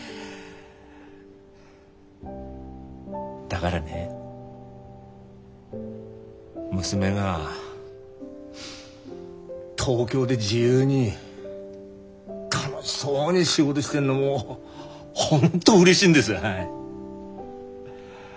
だがらね娘が東京で自由に楽しそうに仕事してんのもう本当うれしいんです。